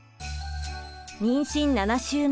妊娠７週目。